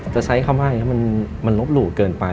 จะใช้คำว่าอย่างนี้มันลบหลู่เกินไป